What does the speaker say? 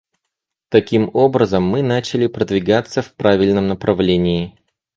Таким образом, мы начали продвигаться в правильном направлении.